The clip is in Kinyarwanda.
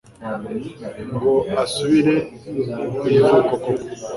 ngo asubire kwivuko koko